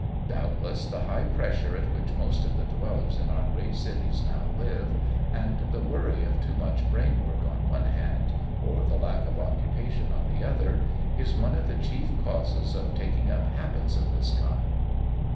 Doubtless, the high pressure at which most of the dwellers in our great cities now live, and the worry of too much brain work on one hand, or the lack of occupation on the other, is one of the chief causes of taking up habits of this kind.